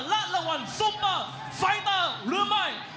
และรางวัลซุปเปอร์ไฟเตอร์หรือไม่